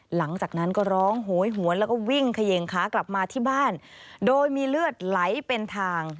หลังจากนั้นก็ร้องโหยหวนแล้วก็วิ่งเขย่งขากลับมาที่บ้านโดยมีเลือดไหลเป็นทาง